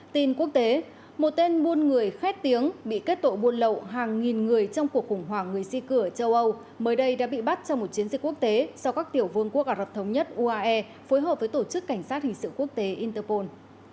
tin quốc tế một tên buôn người khét tiếng bị kết tội buôn lậu hàng nghìn người trong cuộc khủng hoảng người di cư ở châu âu mới đây đã bị bắt trong một chiến dịch quốc tế do các tiểu vương quốc ả rập thống nhất uae phối hợp với tổ chức cảnh sát hình sự quốc tế interpol